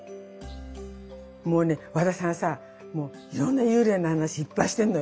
もうね和田さんさいろんな幽霊の話いっぱい知ってんのよ。